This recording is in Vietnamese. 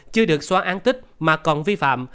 chưa được xóa an tích mà còn vi phạm